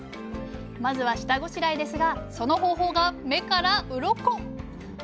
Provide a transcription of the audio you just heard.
まずは下ごしらえですがその方法が目からウロコ！